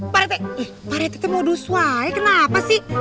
parete paretete mau dusuai kenapa sih